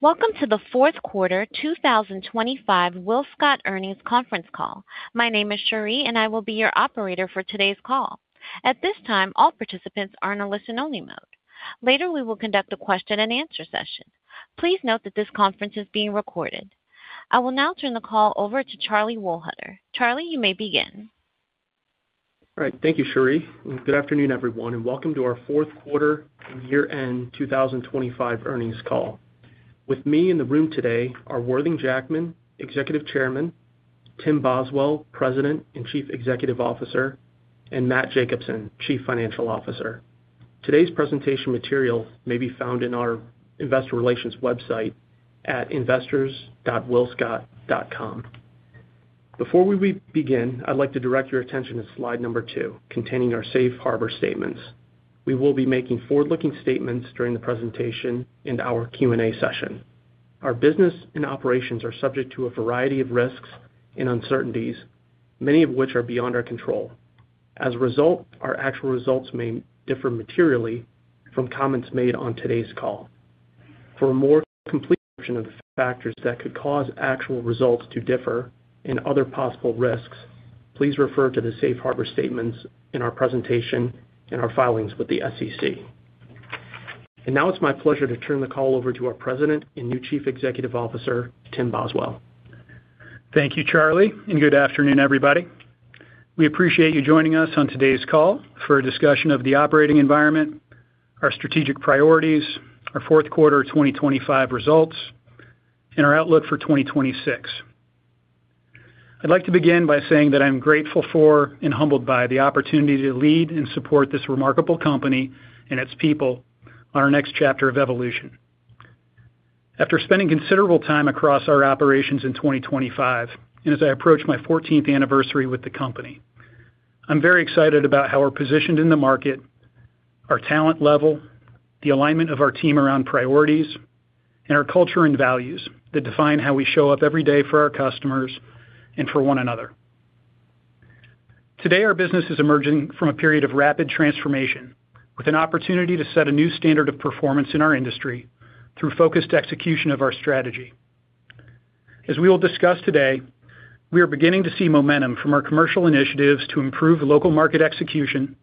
Welcome to the fourth quarter 2025 WillScot Earnings Conference Call. My name is Cherie, and I will be your operator for today's call. At this time, all participants are in a listen-only mode. Later, we will conduct a question-and-answer session. Please note that this conference is being recorded. I will now turn the call over to Charlie Wohlhuter. Charlie, you may begin. All right. Thank you, Cherie. Good afternoon, everyone, and welcome to our fourth quarter and year-end 2025 earnings call. With me in the room today are Worthing Jackman, Executive Chairman, Tim Boswell, President and Chief Executive Officer, and Matt Jacobsen, Chief Financial Officer. Today's presentation material may be found in our Investor Relations website at investors.willscot.com. Before we, we begin, I'd like to direct your attention to slide number two, containing our safe harbor statements. We will be making forward-looking statements during the presentation in our Q&A session. Our business and operations are subject to a variety of risks and uncertainties, many of which are beyond our control. As a result, our actual results may differ materially from comments made on today's call. For a more complete version of the factors that could cause actual results to differ and other possible risks, please refer to the safe harbor statements in our presentation and our filings with the SEC. And now it's my pleasure to turn the call over to our President and new Chief Executive Officer, Tim Boswell. Thank you, Charlie, and good afternoon, everybody. We appreciate you joining us on today's call for a discussion of the operating environment, our strategic priorities, our fourth quarter 2025 results, and our outlook for 2026. I'd like to begin by saying that I'm grateful for and humbled by the opportunity to lead and support this remarkable company and its people on our next chapter of evolution. After spending considerable time across our operations in 2025, and as I approach my fourteenth anniversary with the company, I'm very excited about how we're positioned in the market, our talent level, the alignment of our team around priorities, and our culture and values that define how we show up every day for our customers and for one another. Today, our business is emerging from a period of rapid transformation, with an opportunity to set a new standard of performance in our industry through focused execution of our strategy. As we will discuss today, we are beginning to see momentum from our commercial initiatives to improve local market execution,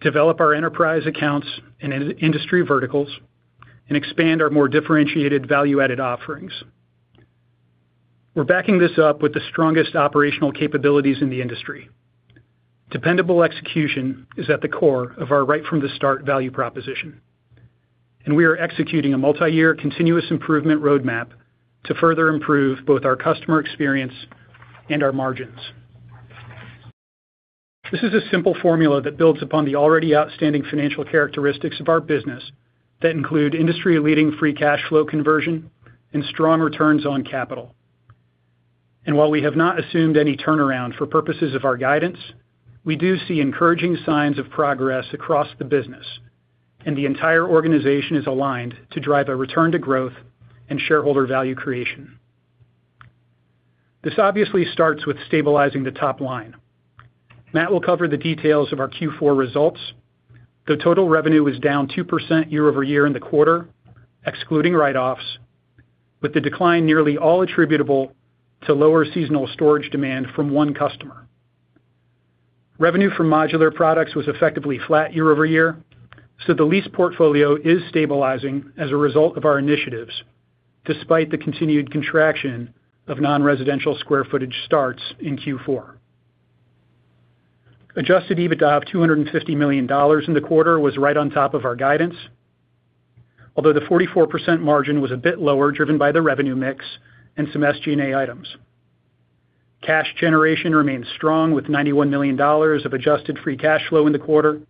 develop our enterprise accounts and in-industry verticals, and expand our more differentiated value-added offerings. We're backing this up with the strongest operational capabilities in the industry. Dependable execution is at the core of our right from the start value proposition, and we are executing a multi-year continuous improvement roadmap to further improve both our customer experience and our margins. This is a simple formula that builds upon the already outstanding financial characteristics of our business that include industry-leading free cash flow conversion and strong returns on capital. And while we have not assumed any turnaround for purposes of our guidance, we do see encouraging signs of progress across the business, and the entire organization is aligned to drive a return to growth and shareholder value creation. This obviously starts with stabilizing the top line. Matt will cover the details of our Q4 results. The total revenue was down 2% year-over-year in the quarter, excluding write-offs, with the decline nearly all attributable to lower seasonal storage demand from one customer. Revenue from modular products was effectively flat year-over-year, so the lease portfolio is stabilizing as a result of our initiatives, despite the continued contraction of non-residential square footage starts in Q4. Adjusted EBITDA of $250 million in the quarter was right on top of our guidance, although the 44% margin was a bit lower, driven by the revenue mix and some SG&A items. Cash generation remains strong, with $91 million of Adjusted Free Cash Flow in the quarter,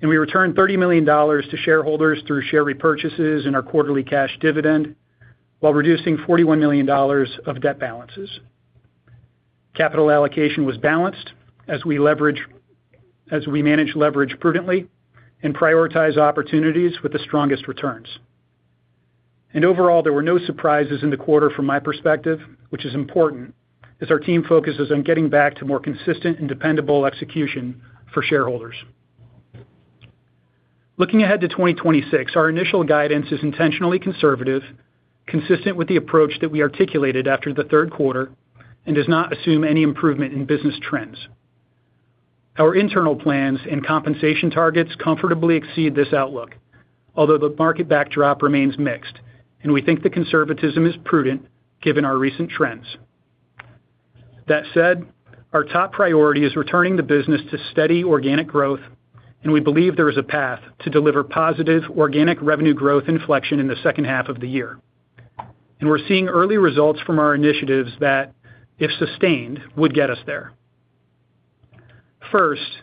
and we returned $30 million to shareholders through share repurchases in our quarterly cash dividend while reducing $41 million of debt balances. Capital allocation was balanced as we managed leverage prudently and prioritize opportunities with the strongest returns. Overall, there were no surprises in the quarter from my perspective, which is important as our team focuses on getting back to more consistent and dependable execution for shareholders. Looking ahead to 2026, our initial guidance is intentionally conservative, consistent with the approach that we articulated after the third quarter, and does not assume any improvement in business trends. Our internal plans and compensation targets comfortably exceed this outlook, although the market backdrop remains mixed, and we think the conservatism is prudent given our recent trends. That said, our top priority is returning the business to steady organic growth, and we believe there is a path to deliver positive organic revenue growth inflection in the second half of the year. We're seeing early results from our initiatives that, if sustained, would get us there. First,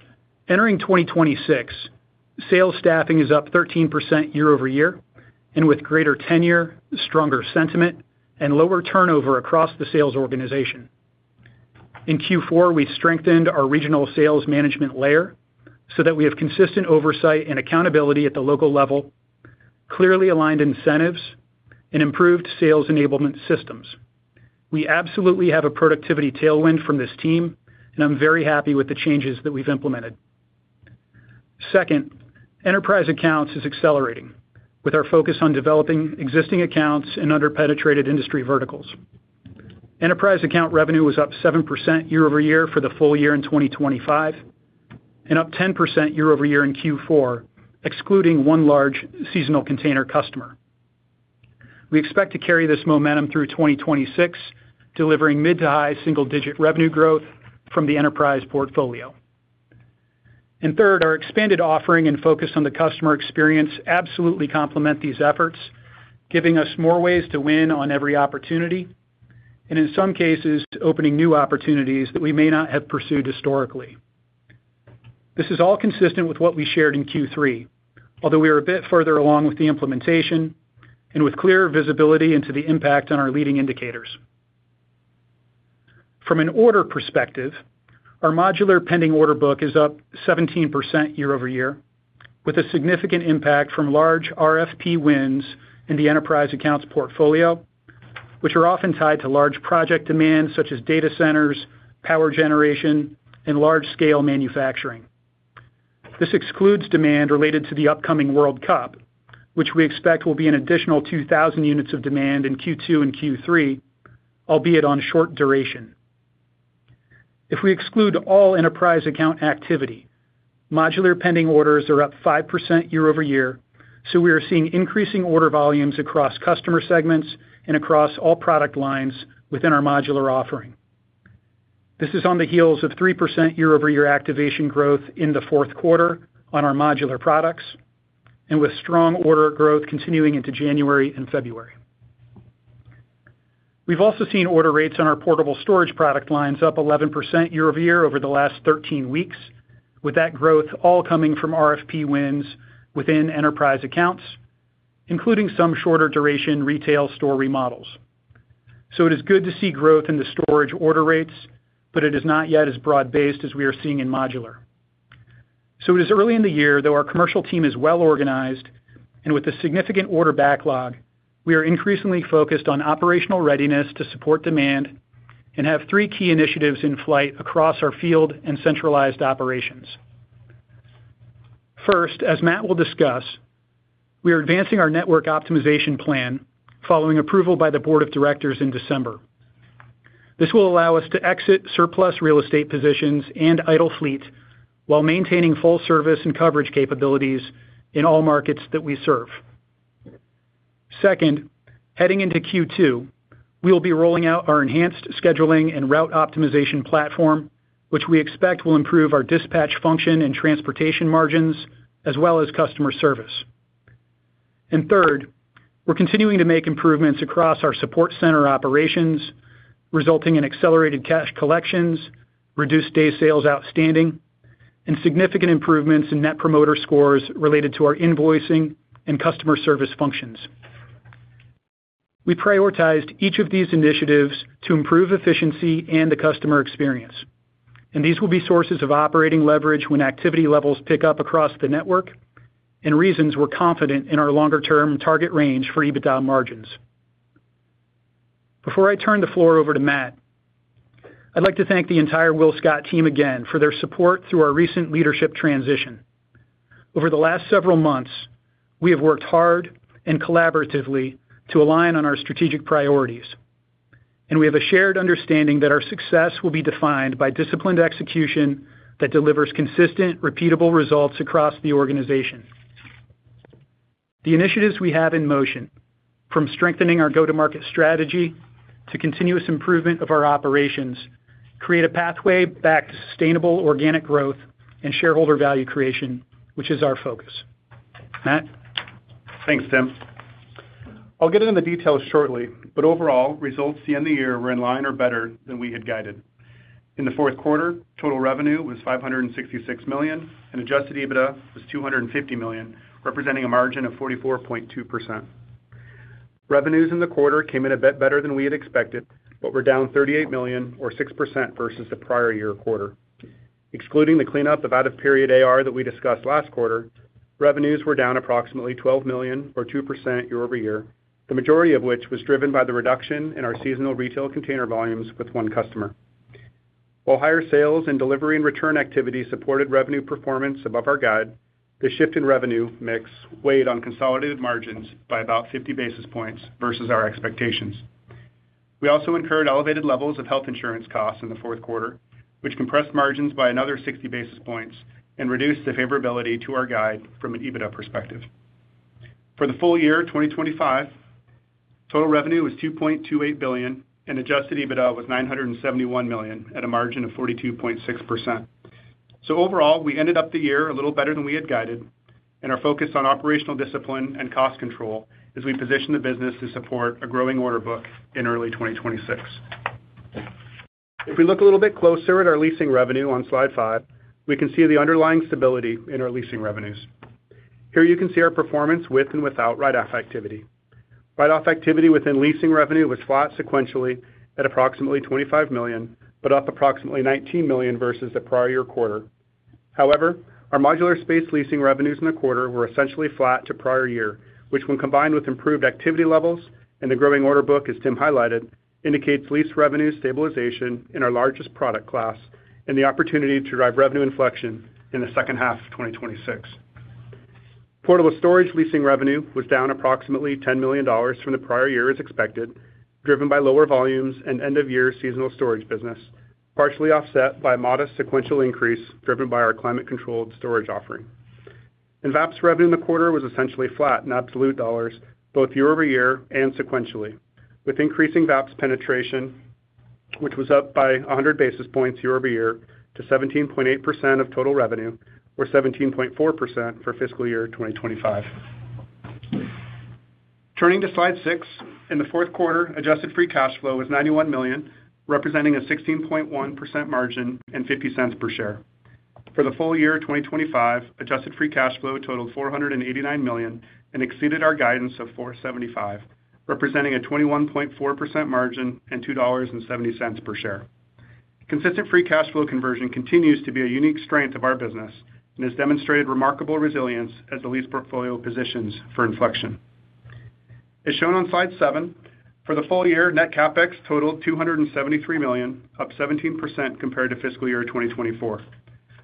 entering 2026, sales staffing is up 13% year-over-year and with greater tenure, stronger sentiment, and lower turnover across the sales organization. In Q4, we strengthened our regional sales management layer so that we have consistent oversight and accountability at the local level, clearly aligned incentives, and improved sales enablement systems. We absolutely have a productivity tailwind from this team, and I'm very happy with the changes that we've implemented. Second, enterprise accounts is accelerating, with our focus on developing existing accounts in under-penetrated industry verticals. Enterprise account revenue was up 7% year-over-year for the full year in 2025, and up 10% year-over-year in Q4, excluding one large seasonal container customer. We expect to carry this momentum through 2026, delivering mid- to high single-digit revenue growth from the enterprise portfolio. And third, our expanded offering and focus on the customer experience absolutely complement these efforts, giving us more ways to win on every opportunity, and in some cases, opening new opportunities that we may not have pursued historically. This is all consistent with what we shared in Q3, although we are a bit further along with the implementation and with clearer visibility into the impact on our leading indicators. From an order perspective, our modular pending order book is up 17% year-over-year, with a significant impact from large RFP wins in the enterprise accounts portfolio, which are often tied to large project demands, such as data centers, power generation, and large-scale manufacturing. This excludes demand related to the upcoming World Cup, which we expect will be an additional 2,000 units of demand in Q2 and Q3, albeit on short duration. If we exclude all enterprise account activity, modular pending orders are up 5% year-over-year, so we are seeing increasing order volumes across customer segments and across all product lines within our modular offering. This is on the heels of 3% year-over-year activation growth in the fourth quarter on our modular products, and with strong order growth continuing into January and February. We've also seen order rates on our portable storage product lines up 11% year-over-year over the last 13 weeks, with that growth all coming from RFP wins within enterprise accounts, including some shorter duration retail store remodels. So it is good to see growth in the storage order rates, but it is not yet as broad-based as we are seeing in modular. So it is early in the year, though our commercial team is well organized, and with a significant order backlog, we are increasingly focused on operational readiness to support demand and have three key initiatives in flight across our field and centralized operations. First, as Matt will discuss, we are advancing our network optimization plan following approval by the Board of Directors in December. This will allow us to exit surplus real estate positions and idle fleet while maintaining full service and coverage capabilities in all markets that we serve. Second, heading into Q2, we will be rolling out our enhanced scheduling and route optimization platform, which we expect will improve our dispatch function and transportation margins, as well as customer service. And third, we're continuing to make improvements across our support center operations, resulting in accelerated cash collections, reduced Days Sales Outstanding, and significant improvements in Net Promoter Score related to our invoicing and customer service functions. We prioritized each of these initiatives to improve efficiency and the customer experience, and these will be sources of operating leverage when activity levels pick up across the network and reasons we're confident in our longer-term target range for EBITDA margins. Before I turn the floor over to Matt, I'd like to thank the entire WillScot team again for their support through our recent leadership transition. Over the last several months, we have worked hard and collaboratively to align on our strategic priorities, and we have a shared understanding that our success will be defined by disciplined execution that delivers consistent, repeatable results across the organization. The initiatives we have in motion, from strengthening our go-to-market strategy to continuous improvement of our operations, create a pathway back to sustainable organic growth and shareholder value creation, which is our focus. Matt? Thanks, Tim. I'll get into the details shortly, but overall, results the end of the year were in line or better than we had guided. In the fourth quarter, total revenue was $566 million, and Adjusted EBITDA was $250 million, representing a margin of 44.2%. Revenues in the quarter came in a bit better than we had expected, but were down $38 million, or 6%, versus the prior year quarter. Excluding the cleanup of out-of-period AR that we discussed last quarter, revenues were down approximately $12 million, or 2% year-over-year, the majority of which was driven by the reduction in our seasonal retail container volumes with one customer. While higher sales and delivery and return activity supported revenue performance above our guide, the shift in revenue mix weighed on consolidated margins by about 50 basis points versus our expectations. We also incurred elevated levels of health insurance costs in the fourth quarter, which compressed margins by another 60 basis points and reduced the favorability to our guide from an EBITDA perspective. For the full year 2025, total revenue was $2.28 billion, and Adjusted EBITDA was $971 million at a margin of 42.6%. So overall, we ended up the year a little better than we had guided and are focused on operational discipline and cost control as we position the business to support a growing order book in early 2026. If we look a little bit closer at our leasing revenue on slide five, we can see the underlying stability in our leasing revenues. Here you can see our performance with and without write-off activity. Write-off activity within leasing revenue was flat sequentially at approximately $25 million, but up approximately $19 million versus the prior year quarter. However, our modular space leasing revenues in the quarter were essentially flat to prior year, which, when combined with improved activity levels and the growing order book, as Tim highlighted, indicates lease revenue stabilization in our largest product class and the opportunity to drive revenue inflection in the second half of 2026. Portable storage leasing revenue was down approximately $10 million from the prior year as expected, driven by lower volumes and end-of-year seasonal storage business, partially offset by a modest sequential increase, driven by our climate-controlled storage offering. VAPS revenue in the quarter was essentially flat in absolute dollars, both year-over-year and sequentially, with increasing VAPS penetration, which was up by 100 basis points year-over-year to 17.8% of total revenue, or 17.4% for fiscal year 2025. Turning to slide six. In the fourth quarter, Adjusted Free Cash Flow was $91 million, representing a 16.1% margin and $0.50 per share. For the full year of 2025, Adjusted Free Cash Flow totaled $489 million and exceeded our guidance of $475 million, representing a 21.4% margin and $2.70 per share. Consistent free cash flow conversion continues to be a unique strength of our business and has demonstrated remarkable resilience as the lease portfolio positions for inflection. As shown on slide seven, for the full year, Net CapEx totaled $273 million, up 17% compared to fiscal year 2024.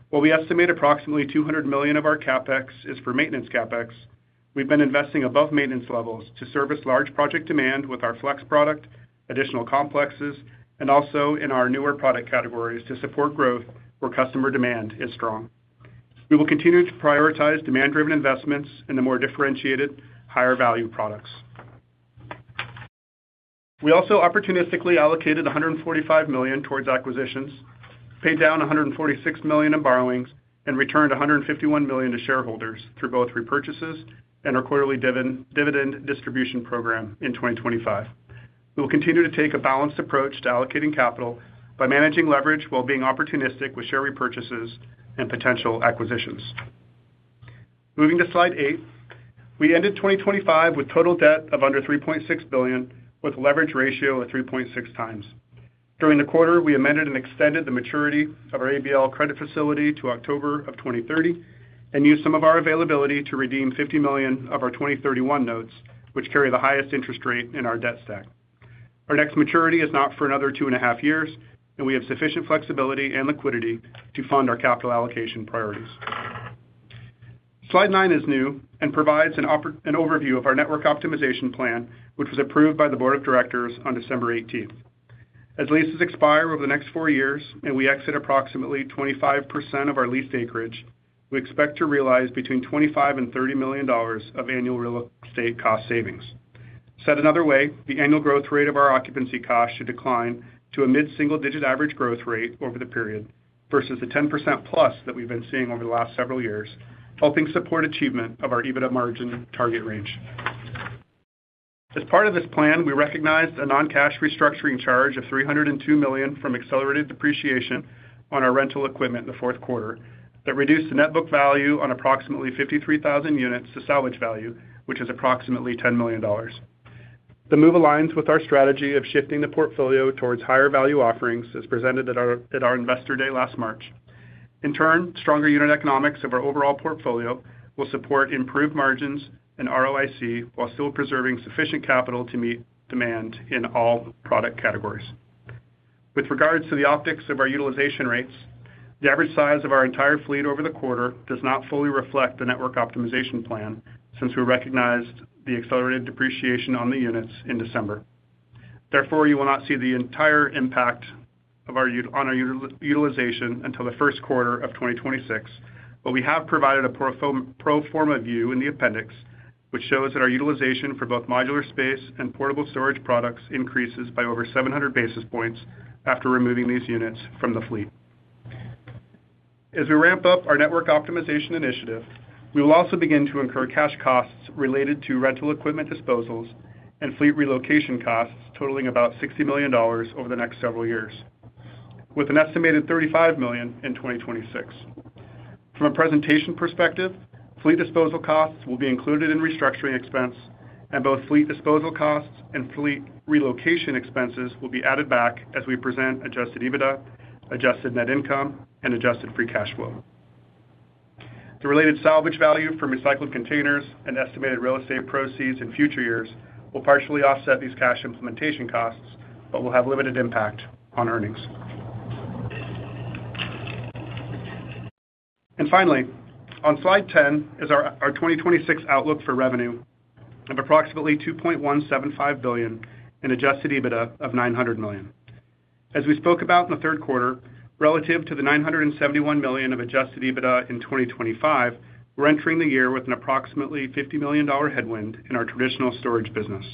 While we estimate approximately $200 million of our CapEx is for maintenance CapEx, we've been investing above maintenance levels to service large project demand with our FLEX product, additional complexes, and also in our newer product categories to support growth where customer demand is strong. We will continue to prioritize demand-driven investments in the more differentiated, higher value products. We also opportunistically allocated $145 million towards acquisitions, paid down $146 million in borrowings, and returned $151 million to shareholders through both repurchases and our quarterly dividend distribution program in 2025. We will continue to take a balanced approach to allocating capital by managing leverage while being opportunistic with share repurchases and potential acquisitions. Moving to slide eight. We ended 2025 with total debt of under $3.6 billion, with leverage ratio at 3.6x. During the quarter, we amended and extended the maturity of our ABL credit facility to October of 2030 and used some of our availability to redeem $50 million of our 2031 notes, which carry the highest interest rate in our debt stack. Our next maturity is not for another 2.5 years, and we have sufficient flexibility and liquidity to fund our capital allocation priorities. Slide nine is new and provides an overview of our network optimization plan, which was approved by the board of directors on December eighteenth. As leases expire over the next four years and we exit approximately 25% of our leased acreage, we expect to realize between $25 million and $30 million of annual real estate cost savings. Said another way, the annual growth rate of our occupancy costs should decline to a mid-single-digit average growth rate over the period, versus the 10%+ that we've been seeing over the last several years, helping support achievement of our EBITDA margin target range. As part of this plan, we recognized a non-cash restructuring charge of $302 million from accelerated depreciation on our rental equipment in the fourth quarter. That reduced the net book value on approximately 53,000 units to salvage value, which is approximately $10 million. The move aligns with our strategy of shifting the portfolio towards higher value offerings, as presented at our Investor Day last March. In turn, stronger unit economics of our overall portfolio will support improved margins and ROIC, while still preserving sufficient capital to meet demand in all product categories. With regards to the optics of our utilization rates, the average size of our entire fleet over the quarter does not fully reflect the network optimization plan since we recognized the accelerated depreciation on the units in December. Therefore, you will not see the entire impact of our utilization until the first quarter of 2026. But we have provided a pro forma view in the appendix, which shows that our utilization for both modular space and portable storage products increases by over 700 basis points after removing these units from the fleet. As we ramp up our network optimization initiative, we will also begin to incur cash costs related to rental equipment disposals and fleet relocation costs totaling about $60 million over the next several years, with an estimated $35 million in 2026. From a presentation perspective, fleet disposal costs will be included in restructuring expense, and both fleet disposal costs and fleet relocation expenses will be added back as we present Adjusted EBITDA, Adjusted Net Income, and Adjusted Free Cash Flow. The related salvage value from recycled containers and estimated real estate proceeds in future years will partially offset these cash implementation costs, but will have limited impact on earnings. Finally, on slide 10 is our 2026 outlook for revenue of approximately $2.175 billion and Adjusted EBITDA of $900 million. As we spoke about in the third quarter, relative to the $971 million of Adjusted EBITDA in 2025, we're entering the year with an approximately $50 million headwind in our traditional storage business.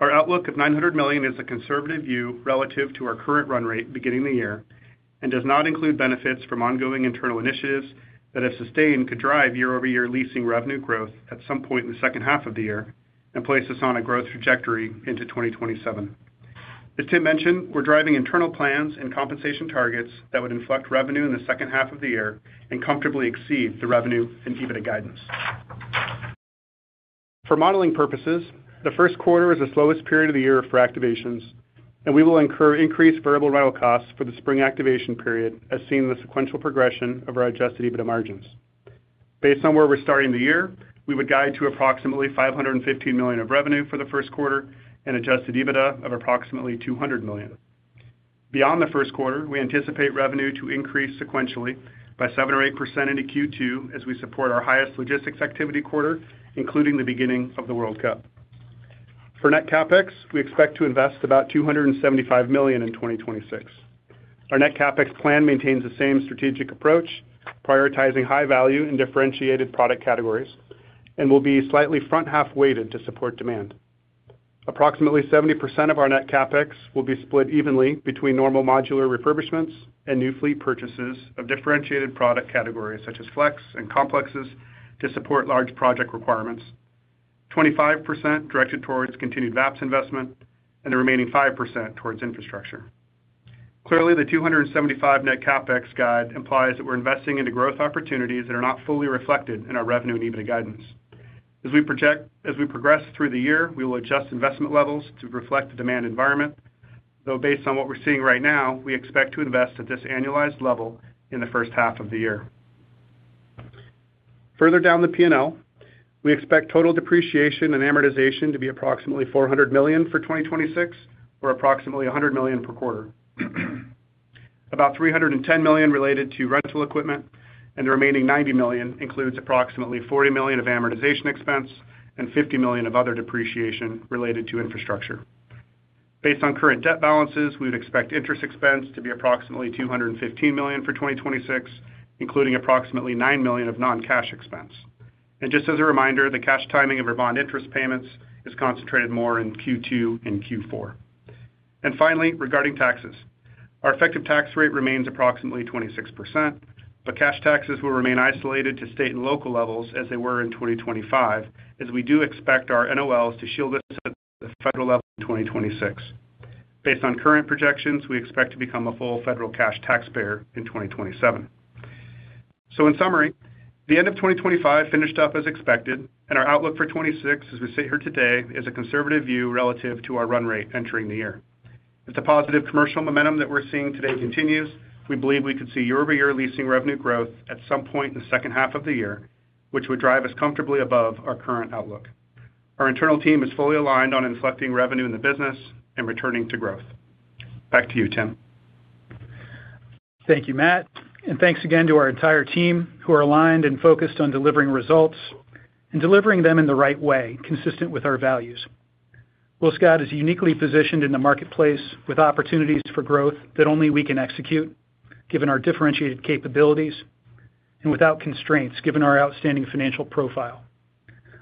Our outlook of $900 million is a conservative view relative to our current run rate beginning the year and does not include benefits from ongoing internal initiatives that, if sustained, could drive year-over-year leasing revenue growth at some point in the second half of the year and place us on a growth trajectory into 2027. As Tim mentioned, we're driving internal plans and compensation targets that would inflect revenue in the second half of the year and comfortably exceed the revenue and EBITDA guidance. For modeling purposes, the first quarter is the slowest period of the year for activations, and we will incur increased variable rental costs for the spring activation period, as seen in the sequential progression of our Adjusted EBITDA margins. Based on where we're starting the year, we would guide to approximately $515 million of revenue for the first quarter and Adjusted EBITDA of approximately $200 million. Beyond the first quarter, we anticipate revenue to increase sequentially by 7%-8% into Q2 as we support our highest logistics activity quarter, including the beginning of the World Cup. For Net CapEx, we expect to invest about $275 million in 2026. Our Net CapEx plan maintains the same strategic approach, prioritizing high value and differentiated product categories, and will be slightly front half-weighted to support demand. Approximately 70% of our Net CapEx will be split evenly between normal modular refurbishments and new fleet purchases of differentiated product categories, such as FLEX and complexes, to support large project requirements. 25% directed towards continued VAPS investment and the remaining 5% towards infrastructure. Clearly, the 275 Net CapEx guide implies that we're investing into growth opportunities that are not fully reflected in our revenue and EBITDA guidance. As we progress through the year, we will adjust investment levels to reflect the demand environment, though, based on what we're seeing right now, we expect to invest at this annualized level in the first half of the year. Further down the P&L, we expect total depreciation and amortization to be approximately $400 million for 2026, or approximately $100 million per quarter. About $310 million related to rental equipment, and the remaining $90 million includes approximately $40 million of amortization expense and $50 million of other depreciation related to infrastructure. Based on current debt balances, we'd expect interest expense to be approximately $215 million for 2026, including approximately $9 million of non-cash expense. Just as a reminder, the cash timing of our bond interest payments is concentrated more in Q2 and Q4. Finally, regarding taxes. Our effective tax rate remains approximately 26%, but cash taxes will remain isolated to state and local levels as they were in 2025, as we do expect our NOLs to shield us at the federal level in 2026. Based on current projections, we expect to become a full federal cash taxpayer in 2027. So in summary, the end of 2025 finished up as expected, and our outlook for 2026, as we sit here today, is a conservative view relative to our run rate entering the year. If the positive commercial momentum that we're seeing today continues, we believe we could see year-over-year leasing revenue growth at some point in the second half of the year, which would drive us comfortably above our current outlook. Our internal team is fully aligned on inflecting revenue in the business and returning to growth. Back to you, Tim. Thank you, Matt, and thanks again to our entire team, who are aligned and focused on delivering results and delivering them in the right way, consistent with our values. WillScot is uniquely positioned in the marketplace with opportunities for growth that only we can execute, given our differentiated capabilities and without constraints, given our outstanding financial profile.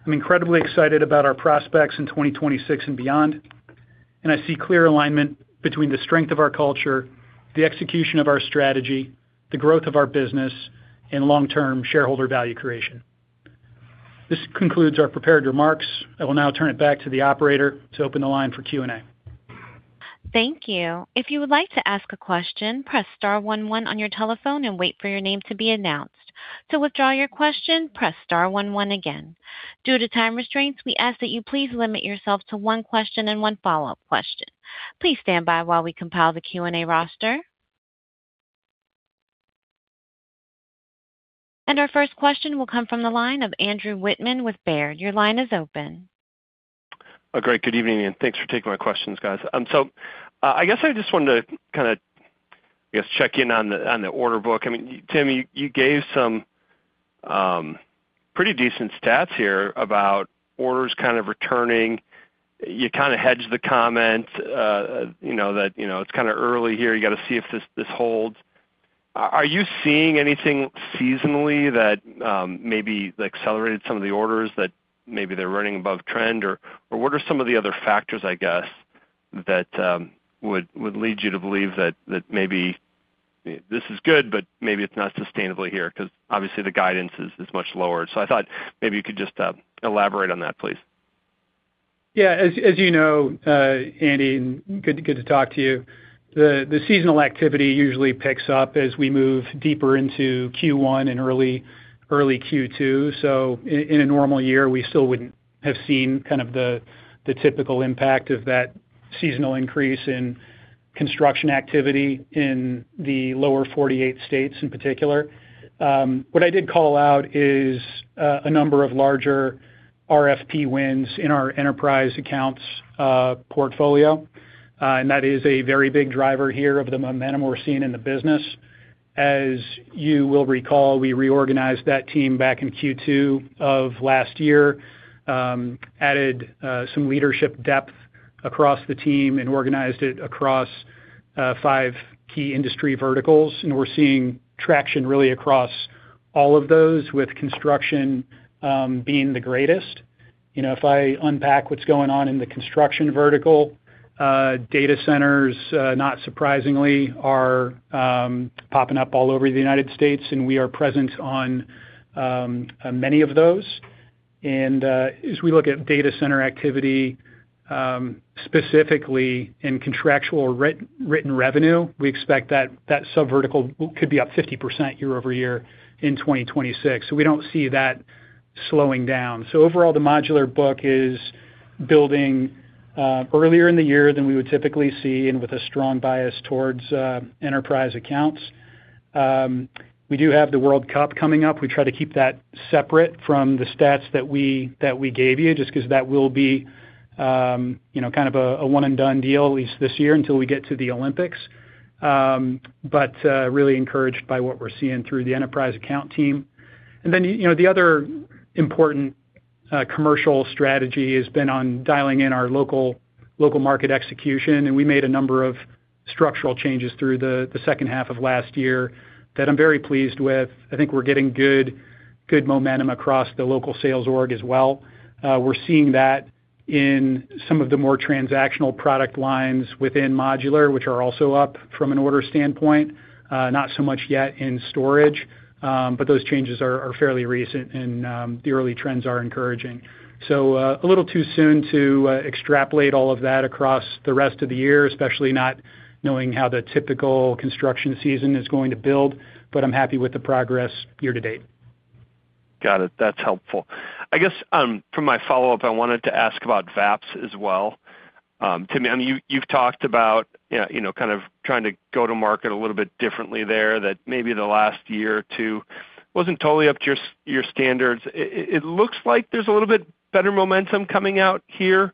I'm incredibly excited about our prospects in 2026 and beyond, and I see clear alignment between the strength of our culture, the execution of our strategy, the growth of our business, and long-term shareholder value creation. This concludes our prepared remarks. I will now turn it back to the operator to open the line for Q&A. Thank you. If you would like to ask a question, press star one one on your telephone and wait for your name to be announced. To withdraw your question, press star one one again. Due to time restraints, we ask that you please limit yourself to one question and one follow-up question. Please stand by while we compile the Q&A roster. Our first question will come from the line of Andrew Wittmann with Baird. Your line is open. Great. Good evening, and thanks for taking my questions, guys. So, I guess I just wanted to kinda, I guess, check in on the, on the order book. I mean, Tim, you, you gave some pretty decent stats here about orders kind of returning. You kinda hedged the comment, you know, that, you know, it's kinda early here. You got to see if this, this holds. Are you seeing anything seasonally that maybe accelerated some of the orders, that maybe they're running above trend? Or, or what are some of the other factors, I guess, that would, would lead you to believe that, that maybe this is good, but maybe it's not sustainable here? Because obviously the guidance is, is much lower. So I thought maybe you could just elaborate on that, please. Yeah, as you know, Andy, and good to talk to you. The seasonal activity usually picks up as we move deeper into Q1 and early Q2. So in a normal year, we still wouldn't have seen kind of the typical impact of that seasonal increase in construction activity in the Lower 48 states in particular. What I did call out is a number of larger RFP wins in our enterprise accounts portfolio, and that is a very big driver here of the momentum we're seeing in the business. As you will recall, we reorganized that team back in Q2 of last year, added some leadership depth across the team and organized it across five key industry verticals, and we're seeing traction really across all of those, with construction being the greatest. You know, if I unpack what's going on in the construction vertical, data centers, not surprisingly, are popping up all over the United States, and we are present on many of those. As we look at data center activity, specifically in contractual or written revenue, we expect that that subvertical could be up 50% year-over-year in 2026. So we don't see that slowing down. So overall, the modular book is building earlier in the year than we would typically see and with a strong bias towards enterprise accounts we do have the World Cup coming up. We try to keep that separate from the stats that we gave you, just 'cause that will be, you know, kind of a one and done deal, at least this year, until we get to the Olympics. But really encouraged by what we're seeing through the enterprise account team. And then, you know, the other important commercial strategy has been on dialing in our local market execution, and we made a number of structural changes through the second half of last year that I'm very pleased with. I think we're getting good momentum across the local sales org as well. We're seeing that in some of the more transactional product lines within modular, which are also up from an order standpoint, not so much yet in storage, but those changes are fairly recent, and the early trends are encouraging. So, a little too soon to extrapolate all of that across the rest of the year, especially not knowing how the typical construction season is going to build, but I'm happy with the progress year to date. Got it. That's helpful. I guess, for my follow-up, I wanted to ask about VAPS as well. Tim, I mean, you've talked about, yeah, you know, kind of trying to go to market a little bit differently there, that maybe the last year or two wasn't totally up to your standards. It looks like there's a little bit better momentum coming out here.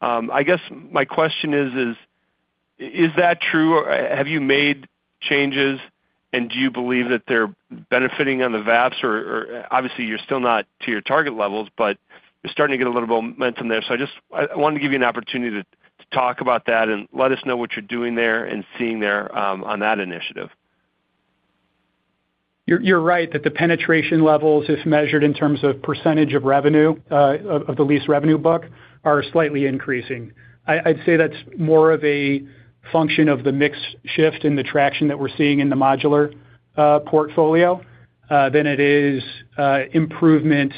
I guess my question is, is that true? Or have you made changes, and do you believe that they're benefiting on the VAPS? Or obviously, you're still not to your target levels, but you're starting to get a little bit of momentum there. So I just wanted to give you an opportunity to talk about that and let us know what you're doing there and seeing there, on that initiative. You're right, that the penetration levels, if measured in terms of percentage of revenue, of the lease revenue book, are slightly increasing. I'd say that's more of a function of the mix shift and the traction that we're seeing in the modular portfolio than it is improvement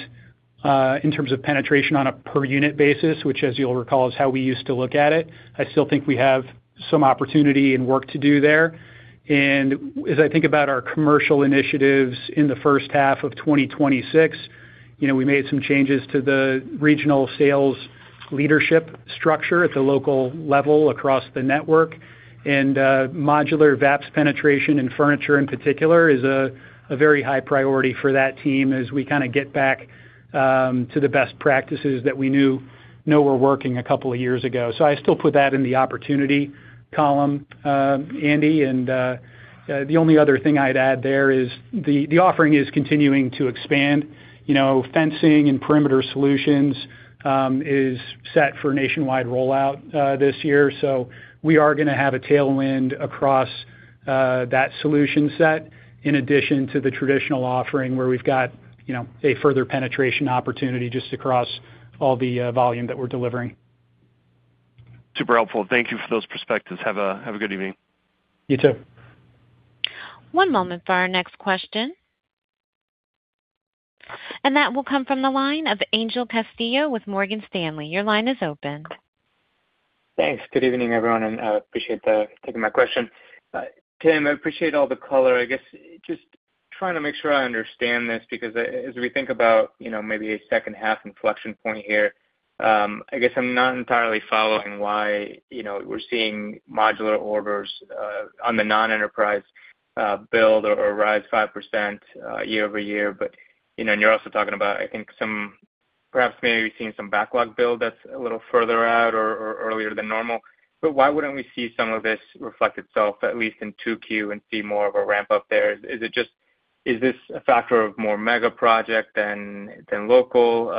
in terms of penetration on a per unit basis, which, as you'll recall, is how we used to look at it. I still think we have some opportunity and work to do there. And as I think about our commercial initiatives in the first half of 2026, you know, we made some changes to the regional sales leadership structure at the local level across the network. And modular VAPS penetration in furniture, in particular, is a very high priority for that team as we kind of get back to the best practices that we know were working a couple of years ago. So I still put that in the opportunity column, Andy, and the only other thing I'd add there is the offering is continuing to expand. You know, fencing and perimeter solutions is set for nationwide rollout this year. So we are gonna have a tailwind across that solution set, in addition to the traditional offering, where we've got, you know, a further penetration opportunity just across all the volume that we're delivering. Super helpful. Thank you for those perspectives. Have a, have a good evening. You too. One moment for our next question. That will come from the line of Angel Castillo with Morgan Stanley. Your line is open. Thanks. Good evening, everyone, and appreciate taking my question. Tim, I appreciate all the color. I guess, just trying to make sure I understand this, because as we think about, you know, maybe a second half inflection point here, I guess I'm not entirely following why, you know, we're seeing modular orders on the non-enterprise build or rise 5% year-over-year. But, you know, and you're also talking about, I think, some perhaps maybe seeing some backlog build that's a little further out or earlier than normal. But why wouldn't we see some of this reflect itself, at least in 2Q and see more of a ramp-up there? Is it just—Is this a factor of more mega-project than local,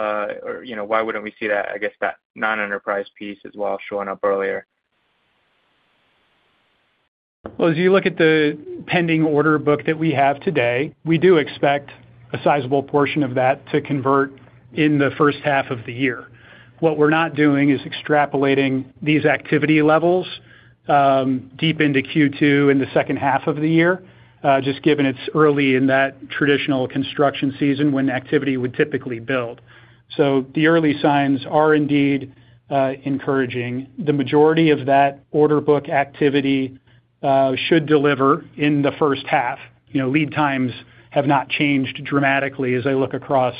or, you know, why wouldn't we see that, I guess, that non-enterprise piece as well, showing up earlier? Well, as you look at the pending order book that we have today, we do expect a sizable portion of that to convert in the first half of the year. What we're not doing is extrapolating these activity levels deep into Q2, in the second half of the year, just given it's early in that traditional construction season, when activity would typically build. So the early signs are indeed encouraging. The majority of that order book activity should deliver in the first half. You know, lead times have not changed dramatically as I look across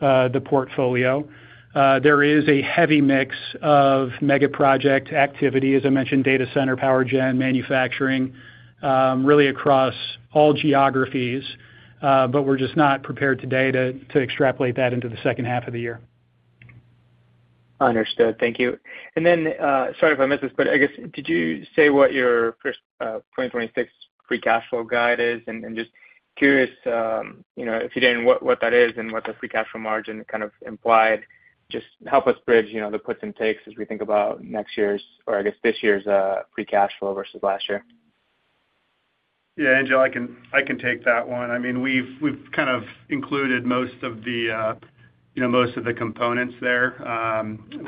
the portfolio. There is a heavy mix of mega-project activity, as I mentioned, data center, power gen, manufacturing, really across all geographies. But we're just not prepared today to extrapolate that into the second half of the year. Understood. Thank you. And then, sorry if I missed this, but I guess, did you say what your first 2026 free cash flow guide is? And just curious, you know, if you didn't, what that is and what the free cash flow margin kind of implied. Just help us bridge, you know, the puts and takes as we think about next year's or I guess, this year's free cash flow versus last year. Yeah, Angel, I can, I can take that one. I mean, we've, we've kind of included most of the, you know, most of the components there.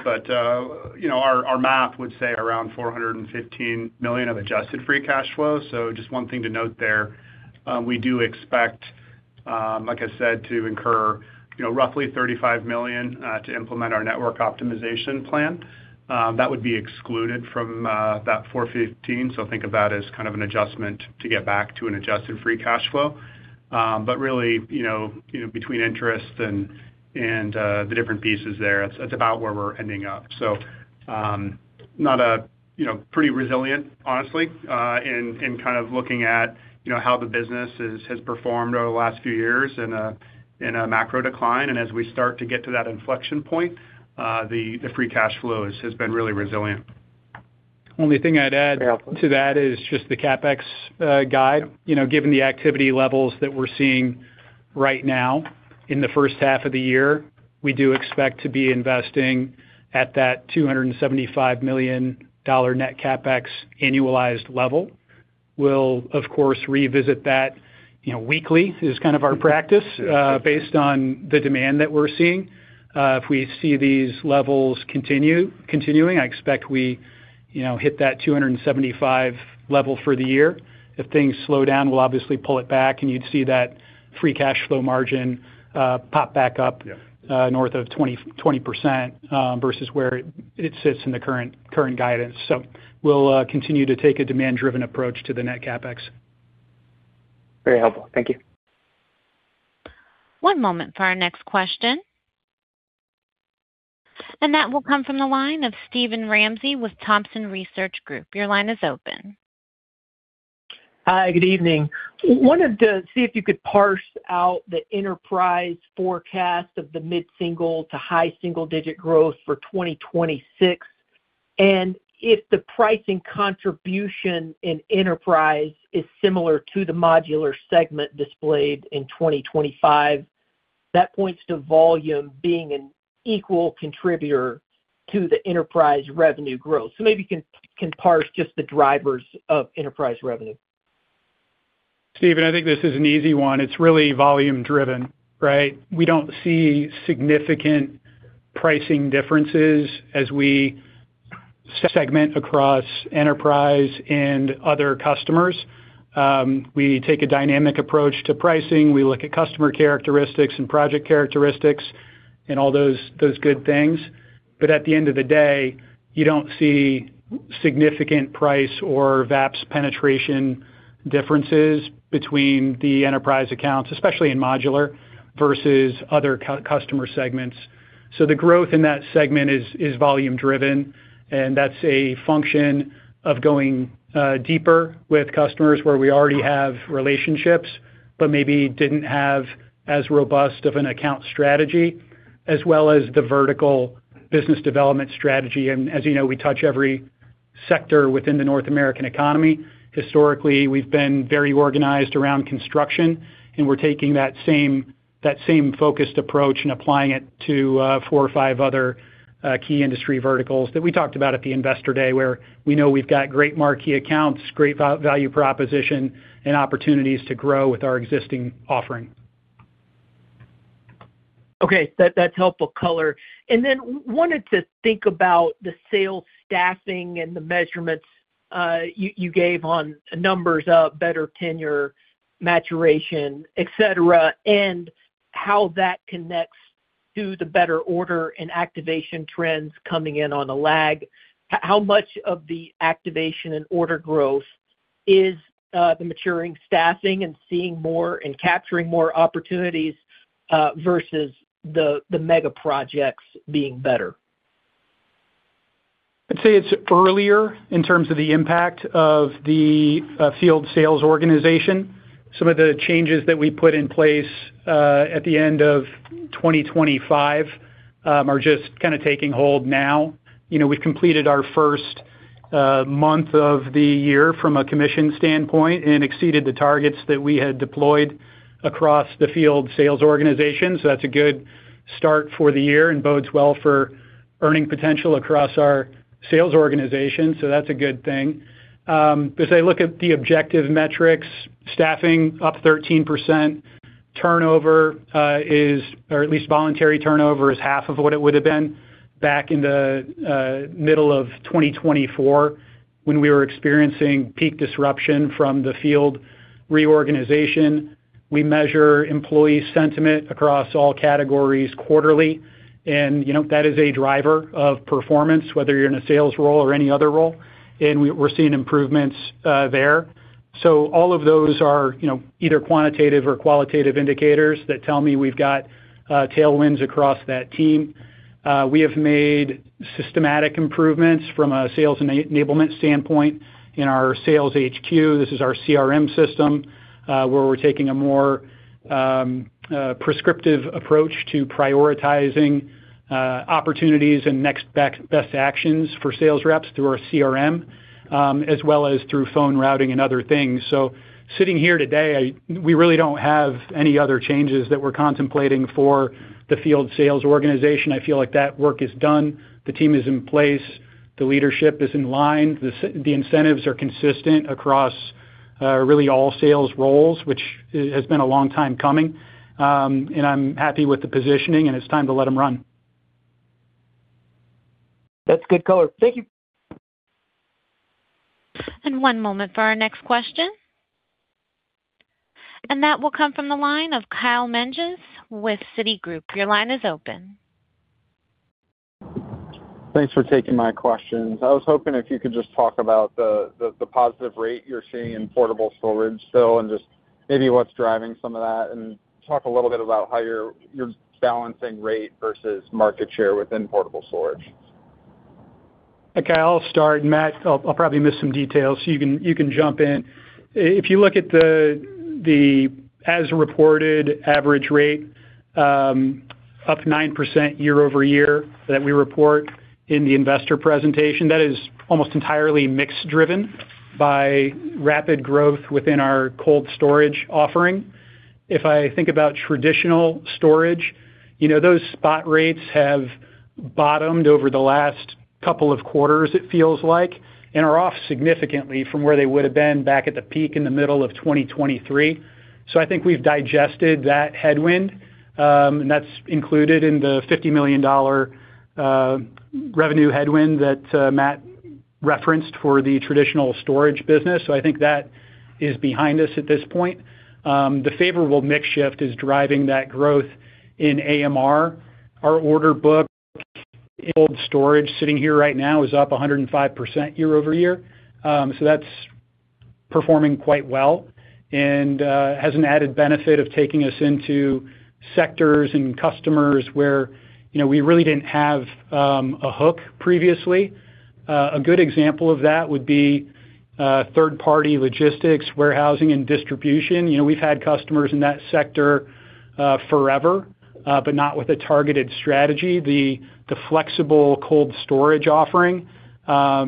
But, you know, our, our math would say around $415 million of Adjusted Free Cash Flow. So just one thing to note there, we do expect, like I said, to incur, you know, roughly $35 million to implement our network optimization plan. That would be excluded from that 415, so think of that as kind of an adjustment to get back to an Adjusted Free Cash Flow. But really, you know, between interest and the different pieces there, it's about where we're ending up. So, not a, you know, pretty resilient, honestly, in kind of looking at, you know, how the business has performed over the last few years in a macro decline. And as we start to get to that inflection point, the free cash flow has been really resilient. Only thing I'd add to that is just the CapEx guide. You know, given the activity levels that we're seeing right now in the first half of the year, we do expect to be investing at that $275 million Net CapEx annualized level. We'll, of course, revisit that, you know, weekly, is kind of our practice, based on the demand that we're seeing. If we see these levels continue, I expect we, you know, hit that 275 level for the year. If things slow down, we'll obviously pull it back, and you'd see that free cash flow margin pop back up north of 20% versus where it sits in the current guidance. So we'll continue to take a demand-driven approach to the Net CapEx. Very helpful. Thank you. One moment for our next question. That will come from the line of Steven Ramsey with Thompson Research Group. Your line is open. Hi, good evening. Wanted to see if you could parse out the enterprise forecast of the mid-single-digit to high single-digit growth for 2026, and if the pricing contribution in enterprise is similar to the modular segment displayed in 2025, that points to volume being an equal contributor to the enterprise revenue growth. So maybe you can parse just the drivers of enterprise revenue. Steven, I think this is an easy one. It's really volume driven, right? We don't see significant pricing differences as we segment across enterprise and other customers. We take a dynamic approach to pricing. We look at customer characteristics and project characteristics and all those, those good things. But at the end of the day, you don't see significant price or VAPS penetration differences between the enterprise accounts, especially in modular versus other customer segments. So the growth in that segment is volume driven, and that's a function of going deeper with customers where we already have relationships, but maybe didn't have as robust of an account strategy, as well as the vertical business development strategy. And as you know, we touch every sector within the North American economy. Historically, we've been very organized around construction, and we're taking that same focused approach and applying it to four or five other key industry verticals that we talked about at the Investor Day, where we know we've got great marquee accounts, great value proposition, and opportunities to grow with our existing offering. Okay, that's helpful color. And then wanted to think about the sales staffing and the measurements you gave on numbers of better tenure, maturation, et cetera, and how that connects to the better order and activation trends coming in on a lag. How much of the activation and order growth is the maturing staffing and seeing more and capturing more opportunities versus the mega projects being better? I'd say it's earlier in terms of the impact of the field sales organization. Some of the changes that we put in place at the end of 2025 are just kind of taking hold now. You know, we've completed our first month of the year from a commission standpoint and exceeded the targets that we had deployed across the field sales organization. So that's a good start for the year and bodes well for earning potential across our sales organization. So that's a good thing. As I look at the objective metrics, staffing up 13%, turnover is, or at least voluntary turnover, is half of what it would have been back in the middle of 2024, when we were experiencing peak disruption from the field reorganization. We measure employee sentiment across all categories quarterly, and, you know, that is a driver of performance, whether you're in a sales role or any other role, and we're seeing improvements there. So all of those are, you know, either quantitative or qualitative indicators that tell me we've got tailwinds across that team. We have made systematic improvements from a sales and enablement standpoint in our sales HQ. This is our CRM system, where we're taking a more prescriptive approach to prioritizing opportunities and next best, best actions for sales reps through our CRM, as well as through phone routing and other things. So sitting here today, we really don't have any other changes that we're contemplating for the field sales organization. I feel like that work is done, the team is in place, the leadership is in line, the incentives are consistent across really all sales roles, which has been a long time coming. I'm happy with the positioning, and it's time to let them run. That's good color. Thank you. One moment for our next question. That will come from the line of Kyle Menges with Citigroup. Your line is open. Thanks for taking my questions. I was hoping if you could just talk about the positive rate you're seeing in portable storage still, and just maybe what's driving some of that, and talk a little bit about how you're balancing rate versus market share within portable storage. Okay, I'll start. Matt, I'll probably miss some details, so you can jump in. If you look at the as-reported average rate, up 9% year-over-year that we report in the investor presentation, that is almost entirely mix driven by rapid growth within our cold storage offering. If I think about traditional storage, you know, those spot rates have bottomed over the last couple of quarters, it feels like, and are off significantly from where they would have been back at the peak in the middle of 2023. So I think we've digested that headwind, and that's included in the $50 million revenue headwind that Matt referenced for the traditional storage business. So I think that is behind us at this point. The favorable mix shift is driving that growth in AMR. Our order book in cold storage, sitting here right now, is up 105% year-over-year. So that's performing quite well, and has an added benefit of taking us into sectors and customers where, you know, we really didn't have a hook previously. A good example of that would be third-party logistics, warehousing, and distribution. You know, we've had customers in that sector forever, but not with a targeted strategy. The flexible cold storage offering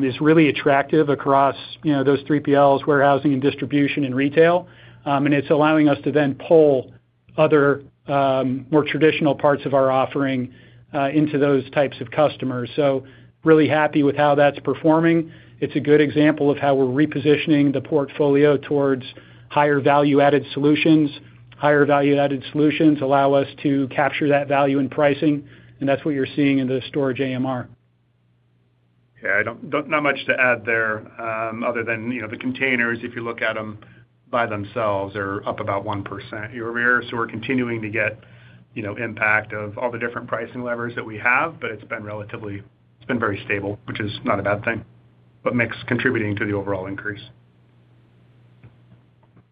is really attractive across, you know, those 3PLs, warehousing and distribution and retail. And it's allowing us to then pull other more traditional parts of our offering into those types of customers. So really happy with how that's performing. It's a good example of how we're repositioning the portfolio towards higher value-added solutions. Higher value-added solutions allow us to capture that value in pricing, and that's what you're seeing in the storage AMR. Yeah, not much to add there, other than, you know, the containers, if you look at them by themselves, are up about 1% year-over-year. So we're continuing to get, you know, impact of all the different pricing levers that we have, but it's been relatively it's been very stable, which is not a bad thing, but mix contributing to the overall increase.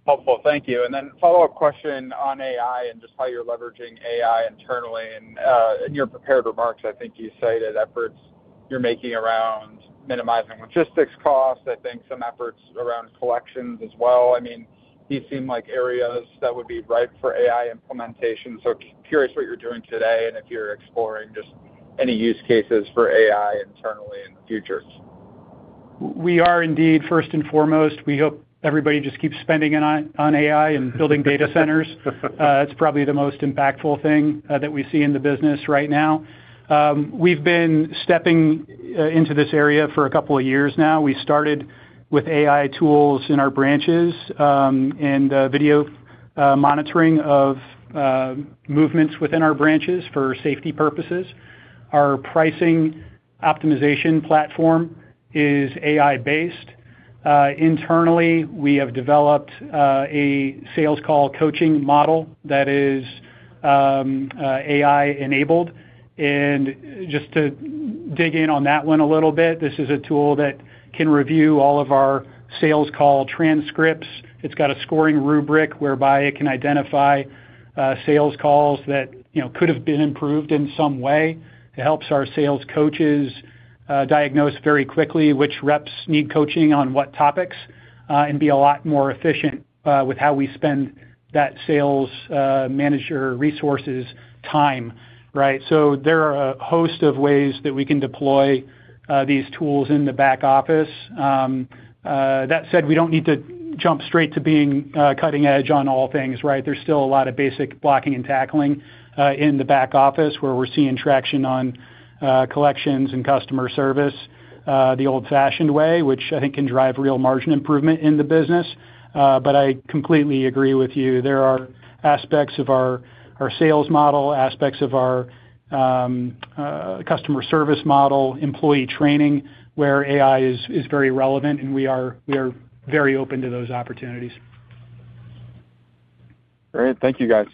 Helpful. Thank you. And then follow-up question on AI and just how you're leveraging AI internally. And in your prepared remarks, I think you cited efforts you're making around minimizing logistics costs. I think some efforts around collections as well. I mean, these seem like areas that would be ripe for AI implementation. So curious what you're doing today, and if you're exploring just any use cases for AI internally in the future. We are indeed. First and foremost, we hope everybody just keeps spending on AI and building data centers. It's probably the most impactful thing that we see in the business right now. We've been stepping into this area for a couple of years now. We started with AI tools in our branches, and video monitoring of movements within our branches for safety purposes. Our pricing optimization platform is AI based. Internally, we have developed a sales call coaching model that is AI enabled. And just to dig in on that one a little bit, this is a tool that can review all of our sales call transcripts. It's got a scoring rubric whereby it can identify sales calls that, you know, could have been improved in some way. It helps our sales coaches diagnose very quickly which reps need coaching on what topics and be a lot more efficient with how we spend that sales manager resources time, right? So there are a host of ways that we can deploy these tools in the back office. That said, we don't need to jump straight to being cutting edge on all things, right? There's still a lot of basic blocking and tackling in the back office, where we're seeing traction on collections and customer service the old-fashioned way, which I think can drive real margin improvement in the business. But I completely agree with you. There are aspects of our, our sales model, aspects of our, customer service model, employee training, where AI is, is very relevant, and we are, we are very open to those opportunities. Great. Thank you, guys.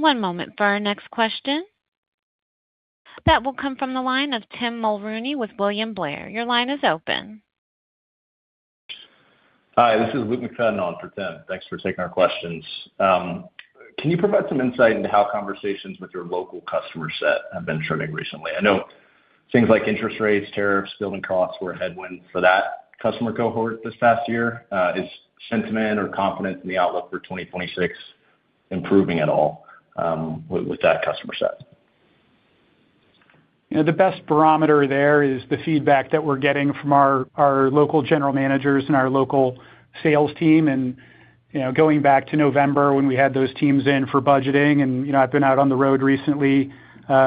One moment for our next question. That will come from the line of Tim Mulrooney with William Blair. Your line is open. Hi, this is Luke McFadden on for Tim. Thanks for taking our questions. Can you provide some insight into how conversations with your local customer set have been trending recently? I know things like interest rates, tariffs, building costs were a headwind for that customer cohort this past year. Is sentiment or confidence in the outlook for 2026 improving at all, with that customer set? You know, the best barometer there is the feedback that we're getting from our local general managers and our local sales team. And, you know, going back to November when we had those teams in for budgeting, and, you know, I've been out on the road recently,